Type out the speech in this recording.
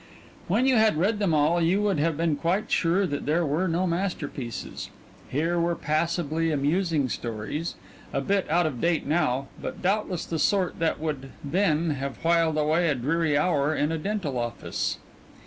When you had read them all you would have been quite sure that here were no masterpieces here were passably amusing stories, a bit out of date now, but doubtless the sort that would then have whiled away a dreary half hour in a dental office.